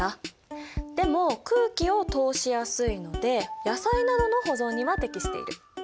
でも空気を通しやすいので野菜などの保存には適している。